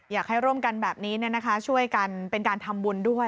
อยากให้ร่วมกันแบบนี้ช่วยกันเป็นการทำบุญด้วย